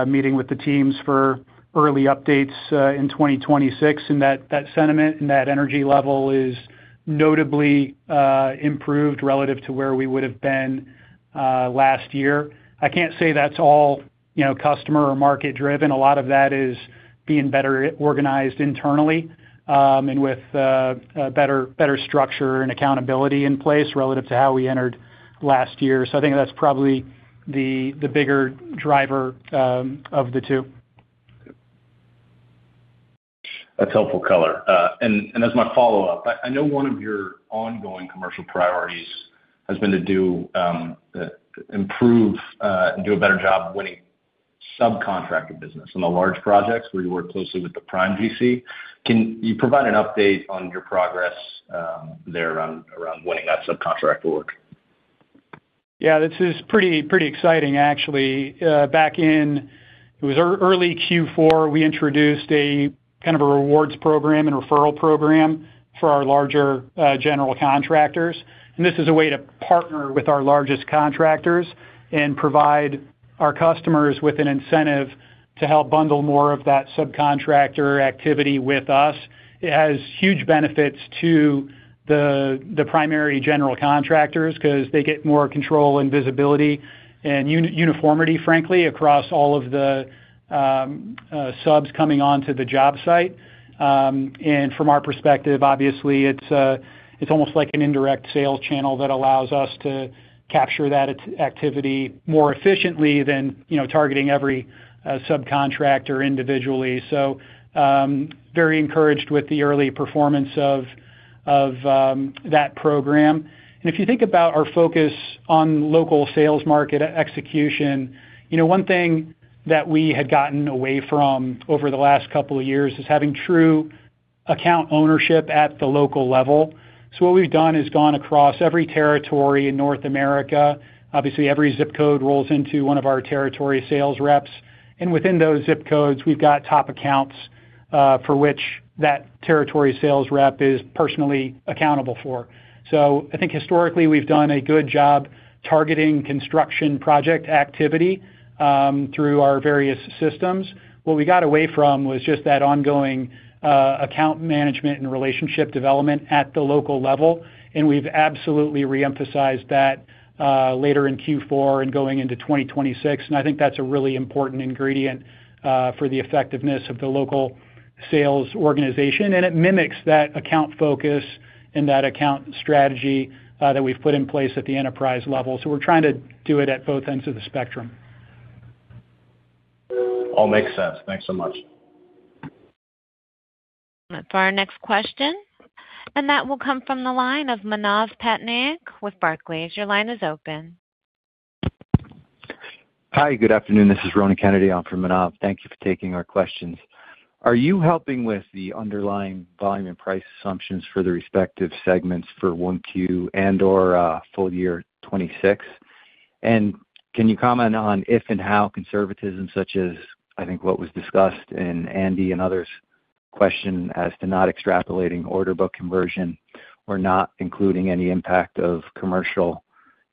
meeting with the teams for early updates in 2026, and that sentiment and that energy level is notably improved relative to where we would have been last year. I can't say that's all, you know, customer or market driven. A lot of that is being better organized internally, and with a better structure and accountability in place relative to how we entered last year. So I think that's probably the bigger driver of the two. That's helpful color. And as my follow-up, I know one of your ongoing commercial priorities has been to do, improve, and do a better job winning subcontracted business on the large projects where you work closely with the prime GC. Can you provide an update on your progress there around winning that subcontract work? Yeah, this is pretty, pretty exciting, actually. Back in, it was early Q4, we introduced a kind of a rewards program and referral program for our larger general contractors. And this is a way to partner with our largest contractors and provide our customers with an incentive to help bundle more of that subcontractor activity with us. It has huge benefits to the primary general contractors 'cause they get more control and visibility and uniformity, frankly, across all of the subs coming on to the job site. And from our perspective, obviously, it's almost like an indirect sales channel that allows us to capture that activity more efficiently than, you know, targeting every subcontractor individually. So, very encouraged with the early performance of that program. If you think about our focus on local sales market execution, you know, one thing that we had gotten away from over the last couple of years is having true account ownership at the local level. So what we've done is gone across every territory in North America. Obviously, every zip code rolls into one of our territory sales reps, and within those zip codes, we've got top accounts for which that territory sales rep is personally accountable for. So I think historically, we've done a good job targeting construction project activity through our various systems. What we got away from was just that ongoing account management and relationship development at the local level, and we've absolutely reemphasized that later in Q4 and going into 2026. I think that's a really important ingredient for the effectiveness of the local sales organization, and it mimics that account focus and that account strategy that we've put in place at the enterprise level. We're trying to do it at both ends of the spectrum. All makes sense. Thanks so much. For our next question, and that will come from the line of Manav Patnaik with Barclays. Your line is open. Hi, good afternoon. This is Ronan Kennedy in for Manav. Thank you for taking our questions. Are you helping with the underlying volume and price assumptions for the respective segments for 1Q and/or full year 2026? And can you comment on if and how conservatism, such as, I think, what was discussed in Andy and others' question as to not extrapolating order book conversion or not including any impact of commercial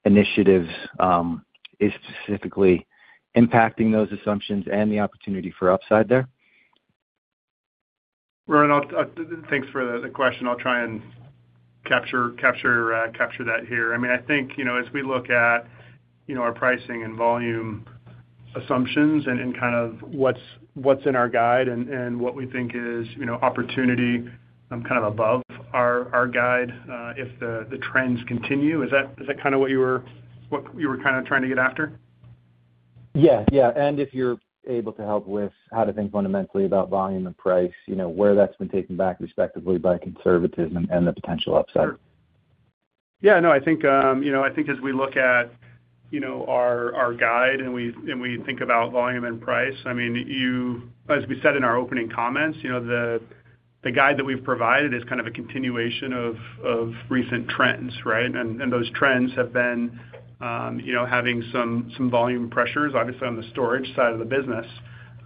initiatives, is specifically impacting those assumptions and the opportunity for upside there? Ronan, I'll, thanks for the question. I'll try and capture that here. I mean, I think, you know, as we look at, you know, our pricing and volume assumptions and kind of what's in our guide and what we think is, you know, opportunity kind of above our guide, if the trends continue. Is that kind of what you were trying to get after? Yeah. Yeah, and if you're able to help with how to think fundamentally about volume and price, you know, where that's been taken back, respectively, by conservatism and the potential upside. Yeah, no, I think, you know, I think as we look at, you know, our guide and we think about volume and price, I mean, you as we said in our opening comments, you know, the guide that we've provided is kind of a continuation of recent trends, right? And those trends have been, you know, having some volume pressures, obviously, on the storage side of the business.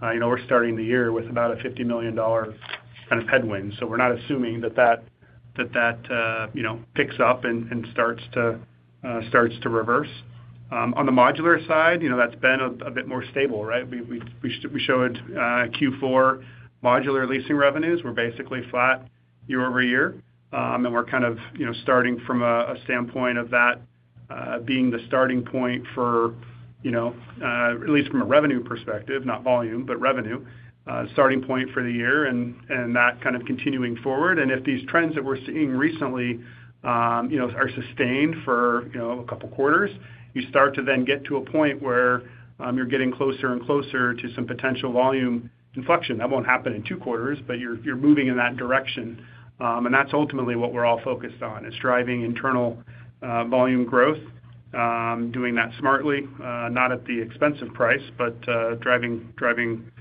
You know, we're starting the year with about a $50 million kind of headwind, so we're not assuming that that picks up and starts to reverse. On the modular side, you know, that's been a bit more stable, right? We showed Q4 modular leasing revenues were basically flat year-over-year. And we're kind of, you know, starting from a, a standpoint of that, being the starting point for, you know, at least from a revenue perspective, not volume, but revenue, starting point for the year and, and that kind of continuing forward. And if these trends that we're seeing recently, you know, are sustained for, you know, a couple quarters, you start to then get to a point where, you're getting closer and closer to some potential volume inflection. That won't happen in two quarters, but you're, you're moving in that direction. And that's ultimately what we're all focused on, is driving internal, volume growth, doing that smartly, not at the expense of price, but, driving, driving,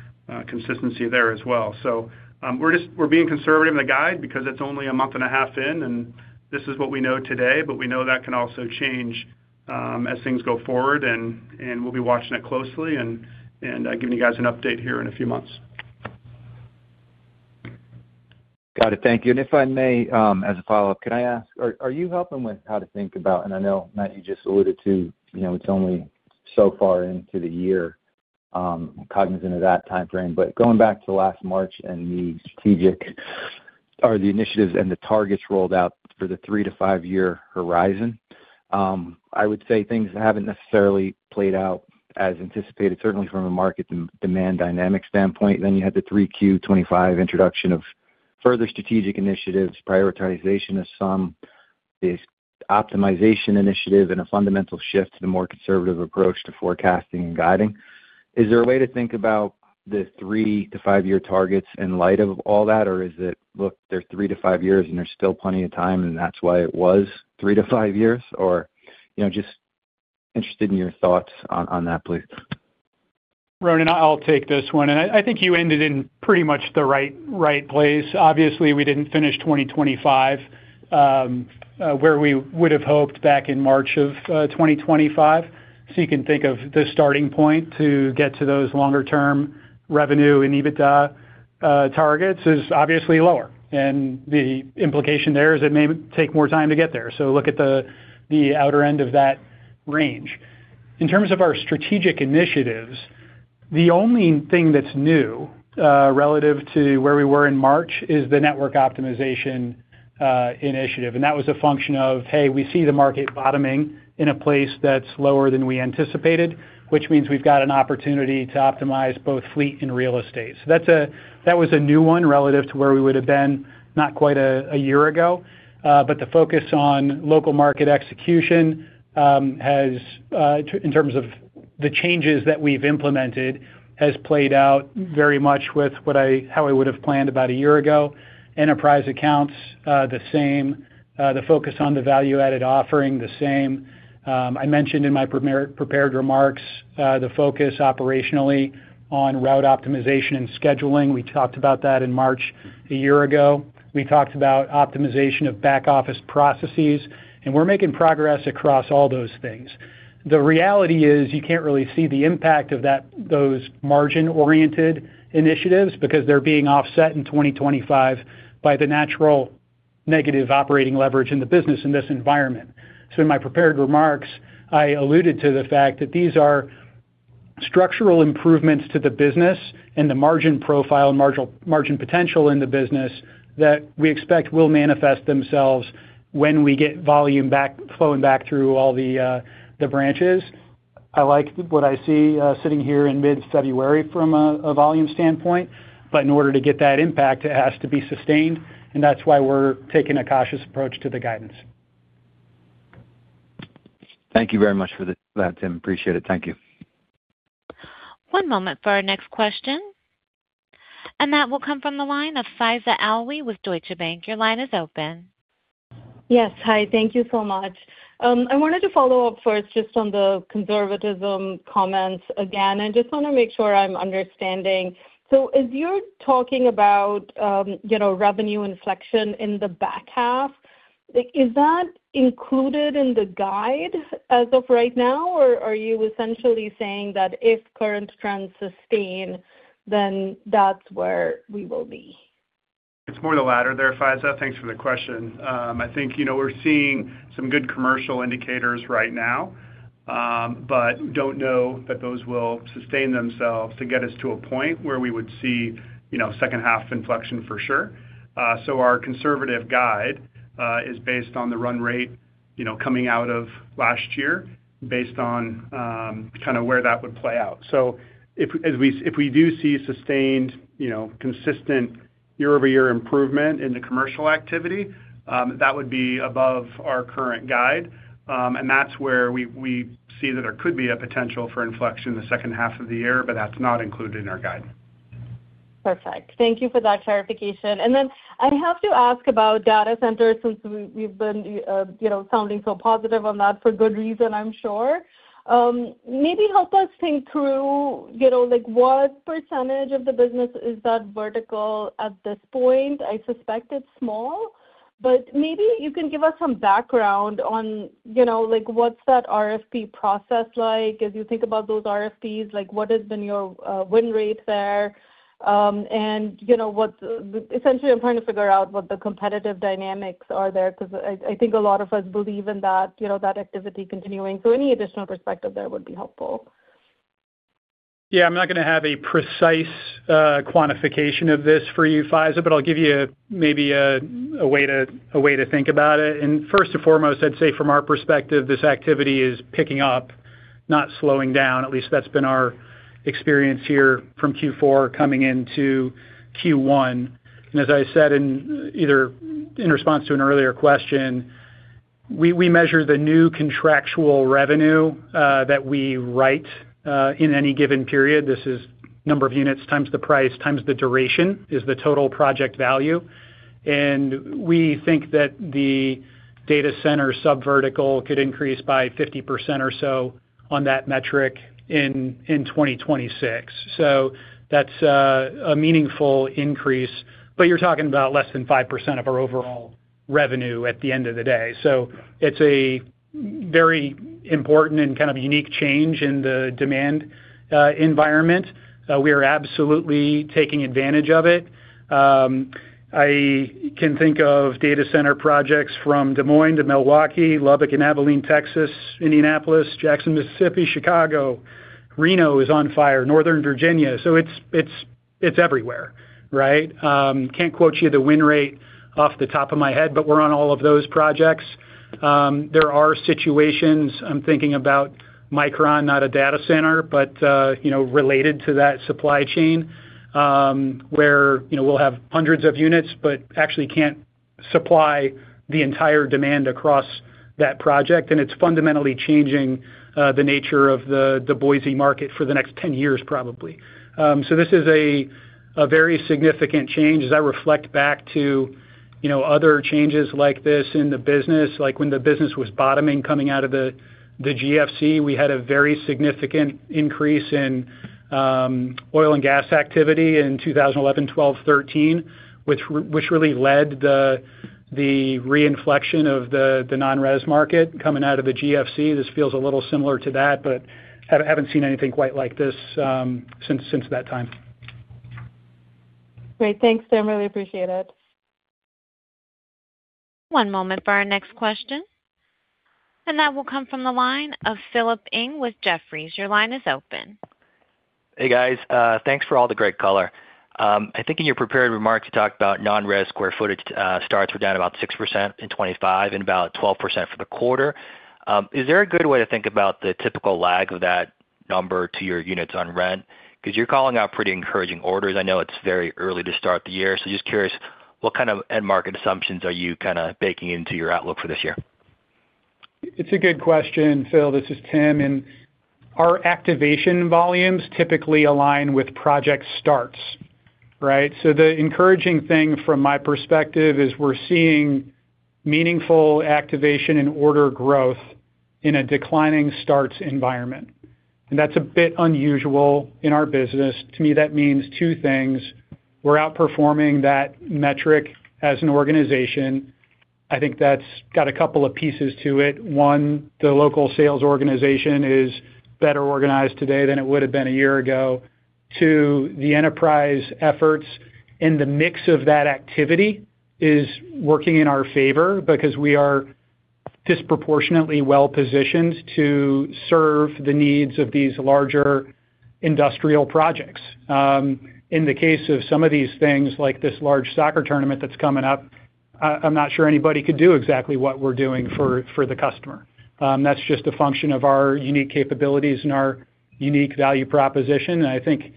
consistency there as well. So, we're being conservative in the guide because it's only a month and a half in, and this is what we know today, but we know that can also change, as things go forward, and giving you guys an update here in a few months. Got it. Thank you. And if I may, as a follow-up, can I ask, are you helping with how to think about and I know, Matt, you just alluded to, you know, it's only so far into the year, cognizant of that timeframe, but going back to last March and the strategic are the initiatives and the targets rolled out for the three- to five-year horizon. I would say things haven't necessarily played out as anticipated, certainly from a market demand dynamic standpoint. Then you had the 3Q 2025 introduction of further strategic initiatives, prioritization of some, the optimization initiative, and a fundamental shift to the more conservative approach to forecasting and guiding. Is there a way to think about the three- to five-year targets in light of all that? Or is it, look, they're three-five years, and there's still plenty of time, and that's why it was three-five years? Or, you know, just interested in your thoughts on, on that, please. Ronan, I'll take this one. And I think you ended in pretty much the right place. Obviously, we didn't finish 2025 where we would have hoped back in March of 2025. So you can think of the starting point to get to those longer-term revenue and EBITDA targets is obviously lower, and the implication there is it may take more time to get there. So look at the outer end of that range. In terms of our strategic initiatives, the only thing that's new relative to where we were in March is the network optimization initiative. And that was a function of, hey, we see the market bottoming in a place that's lower than we anticipated, which means we've got an opportunity to optimize both fleet and real estate. So that's a new one relative to where we would have been not quite a year ago, but the focus on local market execution, in terms of the changes that we've implemented, has played out very much with how I would have planned about a year ago. Enterprise accounts, the same, the focus on the value-added offering, the same. I mentioned in my prepared remarks, the focus operationally on route optimization and scheduling. We talked about that in March a year ago. We talked about optimization of back-office processes, and we're making progress across all those things. The reality is you can't really see the impact of those margin-oriented initiatives because they're being offset in 2025 by the natural negative operating leverage in the business in this environment. So in my prepared remarks, I alluded to the fact that these are structural improvements to the business and the margin profile, margin potential in the business that we expect will manifest themselves when we get volume back, flowing back through all the branches. I like what I see, sitting here in mid-February from a volume standpoint, but in order to get that impact, it has to be sustained, and that's why we're taking a cautious approach to the guidance. Thank you very much for that, Tim. Appreciate it. Thank you. One moment for our next question, and that will come from the line of Faiza Alwy with Deutsche Bank. Your line is open. Yes. Hi, thank you so much. I wanted to follow up first just on the conservatism comments. Again, I just want to make sure I'm understanding. So as you're talking about, you know, revenue inflection in the back half, like, is that included in the guide as of right now? Or are you essentially saying that if current trends sustain, then that's where we will be? It's more the latter there, Faiza. Thanks for the question. I think, you know, we're seeing some good commercial indicators right now, but don't know that those will sustain themselves to get us to a point where we would see, you know, second-half inflection for sure. So our conservative guide is based on the run rate, you know, coming out of last year, based on, kind of where that would play out. So if we do see sustained, you know, consistent year-over-year improvement in the commercial activity, that would be above our current guide. And that's where we see that there could be a potential for inflection in the second half of the year, but that's not included in our guide. Perfect. Thank you for that clarification. Then I have to ask about data centers, since we've been, you know, sounding so positive on that for good reason, I'm sure. Maybe help us think through, you know, like, what percentage of the business is that vertical at this point? I suspect it's small, but maybe you can give us some background on, you know, like, what's that RFP process like as you think about those RFPs? Like, what has been your win rate there? And you know, essentially, I'm trying to figure out what the competitive dynamics are there, because I think a lot of us believe in that, you know, that activity continuing. So any additional perspective there would be helpful. Yeah, I'm not going to have a precise quantification of this for you, Faiza, but I'll give you maybe a way to think about it. And first and foremost, I'd say from our perspective, this activity is picking up, not slowing down. At least that's been our experience here from Q4 coming into Q1. And as I said either in response to an earlier question, we measure the new contractual revenue that we write in any given period. This is number of units times the price, times the duration, is the total project value. And we think that the data center subvertical could increase by 50% or so on that metric in 2026. So that's a meaningful increase, but you're talking about less than 5% of our overall revenue at the end of the day. So it's a very important and kind of unique change in the demand environment. We are absolutely taking advantage of it. I can think of data center projects from Des Moines to Milwaukee, Lubbock, and Abilene, Texas, Indianapolis, Jackson, Mississippi, Chicago. Reno is on fire, Northern Virginia, so it's everywhere, right? Can't quote you the win rate off the top of my head, but we're on all of those projects. There are situations, I'm thinking about Micron, not a data center, but you know, related to that supply chain, where you know, we'll have hundreds of units, but actually can't supply the entire demand across that project, and it's fundamentally changing the nature of the Boise market for the next 10 years, probably. So this is a very significant change. As I reflect back to, you know, other changes like this in the business, like when the business was bottoming, coming out of the GFC, we had a very significant increase in oil and gas activity in 2011, 2012, 2013, which really led the reinflection of the non-res market coming out of the GFC. This feels a little similar to that, but I haven't seen anything quite like this since that time. Great. Thanks, Tim. Really appreciate it. One moment for our next question, and that will come from the line of Philip Ng with Jefferies. Your line is open. Hey, guys, thanks for all the great color. I think in your prepared remarks, you talked about non-res square footage starts were down about 6% in 2025 and about 12% for the quarter. Is there a good way to think about the typical lag of that number to your units on rent? Because you're calling out pretty encouraging orders. I know it's very early to start the year, so just curious, what kind of end market assumptions are you kind of baking into your outlook for this year? It's a good question, Phil. This is Tim, and our activation volumes typically align with project starts, right? So the encouraging thing from my perspective is we're seeing meaningful activation and order growth in a declining starts environment, and that's a bit unusual in our business. To me, that means two things: We're outperforming that metric as an organization. I think that's got a couple of pieces to it. One, the local sales organization is better organized today than it would have been a year ago. Two, the enterprise efforts in the mix of that activity is working in our favor because we are disproportionately well-positioned to serve the needs of these larger industrial projects. In the case of some of these things, like this large soccer tournament that's coming up, I'm not sure anybody could do exactly what we're doing for the customer. That's just a function of our unique capabilities and our unique value proposition, and I think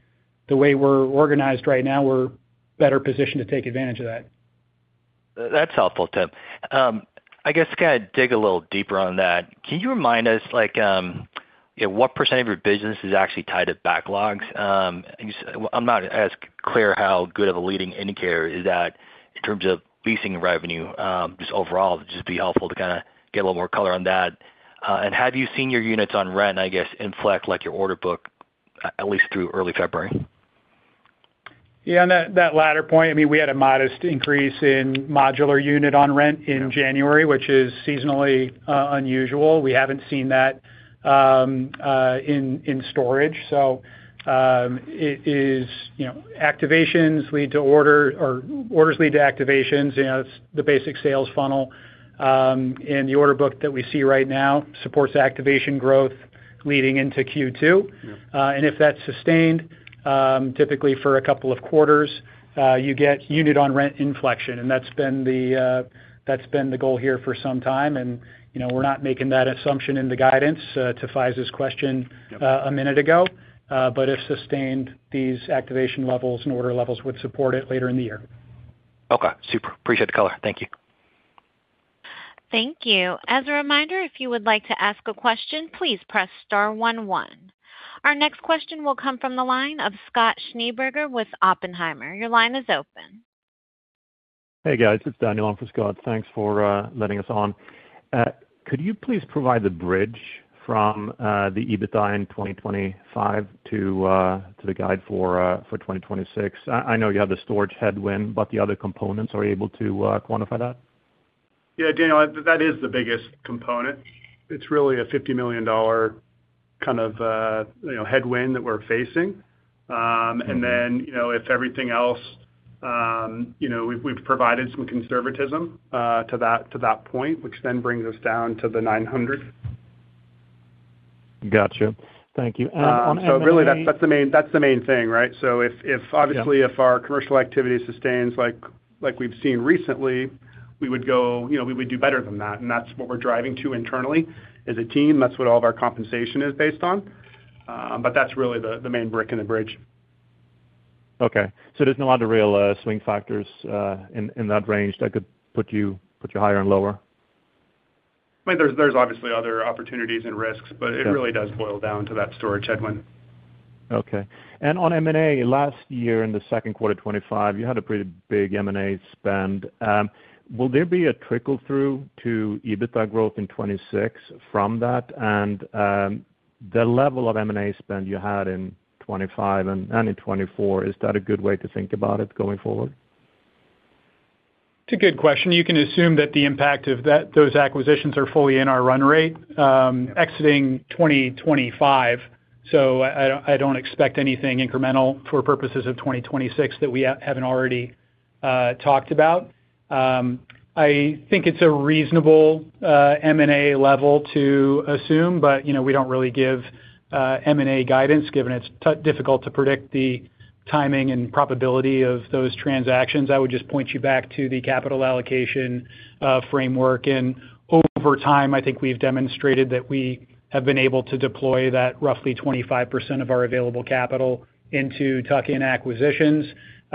the way we're organized right now, we're better positioned to take advantage of that. That's helpful, Tim. I guess, kind of dig a little deeper on that. Can you remind us, like, what percentage of your business is actually tied to backlogs? I'm not as clear how good of a leading indicator is that in terms of leasing revenue, just overall, just be helpful to kind of get a little more color on that. And have you seen your units on rent, I guess, inflect, like, your order book, at least through early February? Yeah, on that, that latter point, I mean, we had a modest increase in modular unit on rent in January, which is seasonally unusual. We haven't seen that in storage. So, it is, you know, activations lead to order or orders lead to activations. You know, it's the basic sales funnel, and the order book that we see right now supports activation growth leading into Q2. Yep. And if that's sustained, typically for a couple of quarters, you get unit-on-rent inflection, and that's been the, that's been the goal here for some time. And, you know, we're not making that assumption in the guidance, to Faiza's question- Yep. A minute ago, but if sustained, these activation levels and order levels would support it later in the year. Okay, super. Appreciate the color. Thank you. Thank you. As a reminder, if you would like to ask a question, please press star one, one. Our next question will come from the line of Scott Schneeberger with Oppenheimer. Your line is open. Hey, guys, it's Daniel on for Scott. Thanks for letting us on. Could you please provide the bridge from the EBITDA in 2025 to the guide for 2026? I know you have the storage headwind, but the other components, are you able to quantify that? Yeah, Daniel, that is the biggest component. It's really a $50 million kind of, you know, headwind that we're facing. And then, you know, if everything else, you know, we've provided some conservatism to that point, which then brings us down to the $900. Gotcha. Thank you. So really, that's the main thing, right? So if obviously, if our commercial activity sustains like we've seen recently, we would go, you know, we would do better than that, and that's what we're driving to internally as a team. That's what all of our compensation is based on. But that's really the main brick in the bridge. Okay. So there's not a lot of real swing factors in that range that could put you higher and lower? I mean, there's obviously other opportunities and risks- Yeah. - but it really does boil down to that storage headwind. Okay. And on M&A, last year, in the second quarter of 2025, you had a pretty big M&A spend. Will there be a trickle-through to EBITDA growth in 2026 from that? And, the level of M&A spend you had in 2025 and in 2024, is that a good way to think about it going forward? It's a good question. You can assume that the impact of that, those acquisitions are fully in our run rate, exiting 2025, so I don't expect anything incremental for purposes of 2026 that we haven't already talked about. I think it's a reasonable M&A level to assume, but, you know, we don't really give M&A guidance, given it's difficult to predict the timing and profitability of those transactions. I would just point you back to the capital allocation framework, and over time, I think we've demonstrated that we have been able to deploy that roughly 25% of our available capital into tuck-in acquisitions.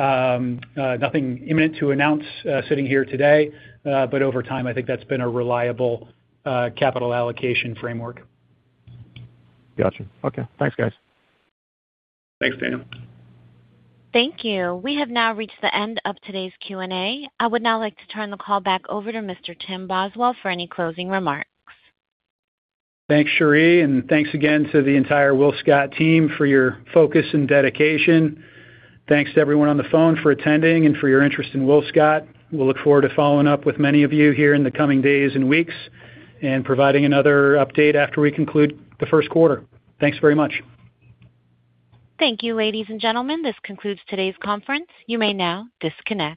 Nothing imminent to announce, sitting here today, but over time, I think that's been a reliable capital allocation framework. Gotcha. Okay. Thanks, guys. Thanks, Daniel. Thank you. We have now reached the end of today's Q&A. I would now like to turn the call back over to Mr. Tim Boswell for any closing remarks. Thanks, Cherie, and thanks again to the entire WillScot team for your focus and dedication. Thanks to everyone on the phone for attending and for your interest in WillScot. We'll look forward to following up with many of you here in the coming days and weeks and providing another update after we conclude the first quarter. Thanks very much. Thank you, ladies and gentlemen. This concludes today's conference. You may now disconnect.